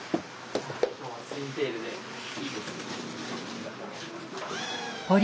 今日はツインテールでいいですね。